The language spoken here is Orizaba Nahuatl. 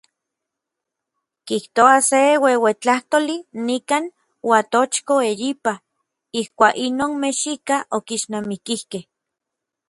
Kijtoa se ueuetlajtoli nikan Uatochko eyipa, ijkuak inon mexikaj okixnamikikej.